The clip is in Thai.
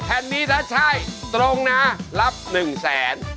แทนนี้ถ้าใช่ตรงนะรับ๑๐๐แรง